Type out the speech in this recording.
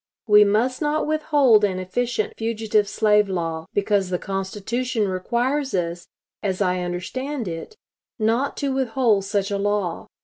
We must not withhold an efficient fugitive slave law, because the Constitution requires us, as I understand it, not to withhold such a law.